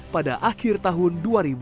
pada akhir tahun dua ribu dua puluh